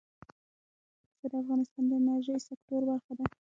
پسه د افغانستان د انرژۍ سکتور برخه ده.